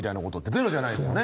ゼロじゃないですよね。